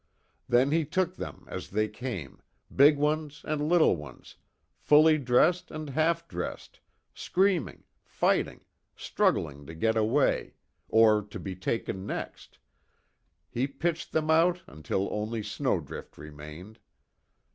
Then he took them as they came big ones and little ones, fully dressed and half dressed, screaming, fighting, struggling to get away or to be taken next, he pitched them out until only Snowdrift remained.